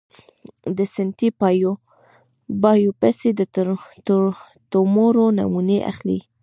د ستنې بایوپسي د تومور نمونې اخلي.